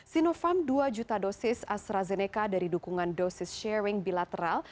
sinovac dua juta dosis astrazeneca dari dukungan dosis sharing bilateral